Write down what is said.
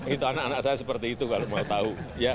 itu anak anak saya seperti itu kalau mau tahu